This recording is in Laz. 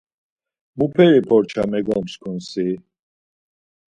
Muperi porça megomskun si!